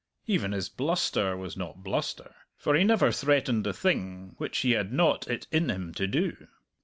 Even his bluster was not bluster, for he never threatened the thing which he had not it in him to do.